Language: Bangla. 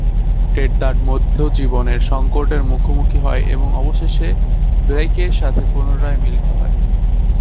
টেড তার মধ্য জীবনের সংকটের মুখোমুখি হয় এবং অবশেষে ব্লেকের সাথে পুনরায় মিলিত হয়।